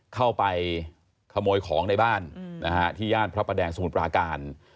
เข้าไปขโมยของในบ้านที่ย่านพระประแดงสมุทรปราการ